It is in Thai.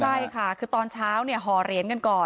ใช่ค่ะคือตอนเช้าห่อเหรียญกันก่อน